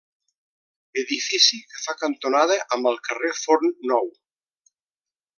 Edifici que fa cantonada amb el carrer Forn Nou.